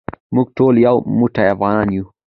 موږ ټول یو موټی افغانان یو.